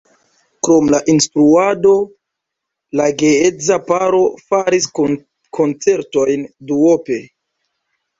Krom la instruado la geedza paro faris koncertojn duope.